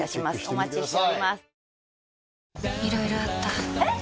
お待ちしておりますえっ！！